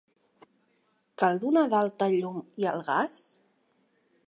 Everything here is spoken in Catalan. Cal donar d'alta el llum i el gas?